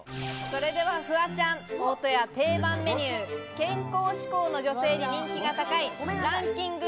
それはフワちゃん、大戸屋定番メニュー、健康志向の女性に人気が高いランキング